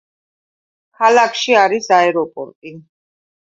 ქალაქში არის აეროპორტი.